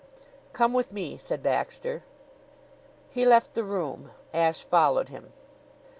"Come with me," said Baxter. He left the room. Ashe followed him.